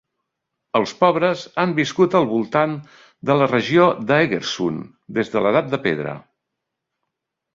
Els pobres han viscut al voltant de la regió d"Egersund des de l"edat de pedra.